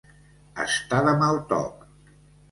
Estar de mal toc.